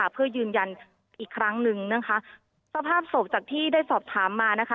เพื่อยืนยันอีกครั้งหนึ่งนะคะสภาพศพจากที่ได้สอบถามมานะคะ